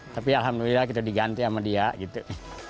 tapi alhamdulillah kita diganti sama dia gitu